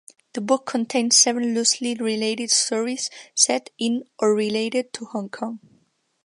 The book contains seven loosely related stories set in or related to Hong Kong.